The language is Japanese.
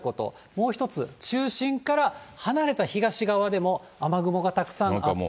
もう１つ、中心から離れた東側でも雨雲がたくさんあって。